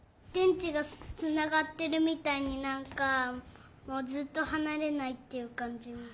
でんちがつながってるみたいになんかもうずっとはなれないっていうかんじ。